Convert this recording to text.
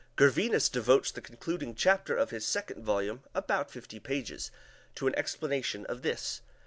Gervinus devotes the concluding chapter of his second volume, about fifty pages, to an explanation of this.